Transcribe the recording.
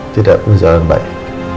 tidak berjalan baik